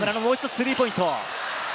スリーポイント。